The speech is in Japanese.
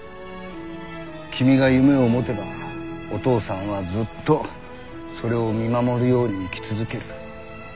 君が夢を持てばお父さんはずっとそれを見守るように生き続ける。